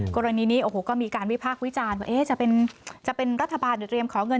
กรณีนี้ก็มีการวิพากษ์วิจารณ์จะเป็นรัฐบาลเดี๋ยวเตรียมของเงิน